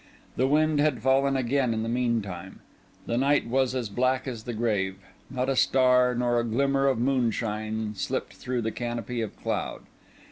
The wind had fallen again in the meanwhile; the night was as black as the grave; not a star, nor a glimmer of moonshine, slipped through the canopy of cloud.